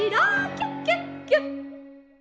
キュキュッキュッ！」。